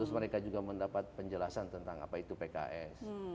terus mereka juga mendapat penjelasan tentang apa itu pks